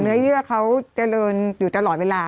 เยื่อเขาเจริญอยู่ตลอดเวลา